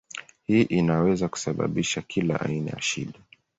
Hii inaweza kusababisha kila aina ya shida.